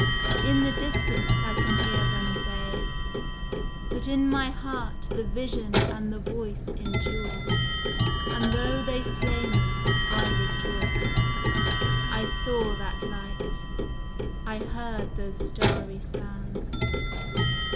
in the distance I can hear them bay! But in my heart the vision and the voice Endure; and though they slay me, I rejoice I saw that light, I heard those starry sounds.